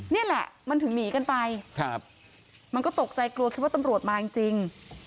นี่แหละมันถึงหนีกันไปมันก็ตกใจกลัวคิดว่าตำรวจมาจริง